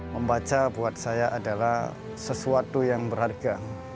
membaca buat saya adalah sesuatu yang berharga